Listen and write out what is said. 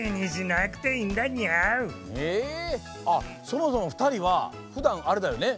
そもそもふたりはふだんあれだよね